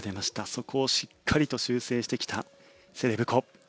そこをしっかりと修正してきたセレブコ。